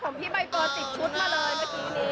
พี่ใบเฟิร์นติดชุดมาเลยเมื่อกี้นี้